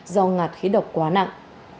do ngạt khí độc quá nặng